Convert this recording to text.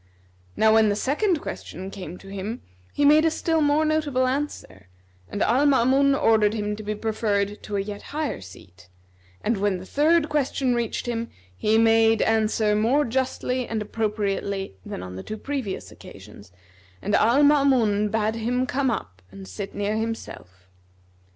Now when the second question came to him, he made a still more notable answer, and Al Maamun ordered him to be preferred to a yet higher seat; and when the third question reached him, he made answer more justly and appropriately than on the two previous occasions, and Al Maamun bade him come up and sit near himself.